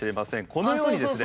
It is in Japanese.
このようにですね。